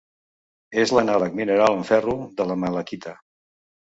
És l'anàleg mineral amb ferro de la malaquita.